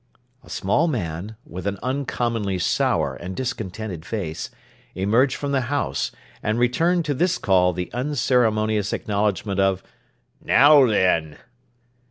A small man, with an uncommonly sour and discontented face, emerged from the house, and returned to this call the unceremonious acknowledgment of 'Now then!